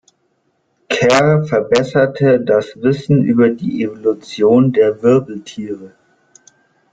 Kerr verbesserte das Wissen über die Evolution der Wirbeltiere.